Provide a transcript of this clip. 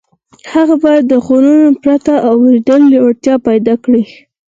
هغه باید له غوږونو پرته د اورېدو وړتیا پیدا کړي